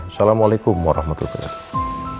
assalamualaikum warahmatullahi wabarakatuh